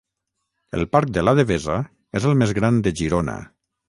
El parc de La Devesa és el més gran de Girona